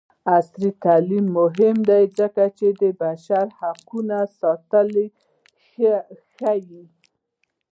عصري تعلیم مهم دی ځکه چې د بشري حقونو ساتنه ښيي.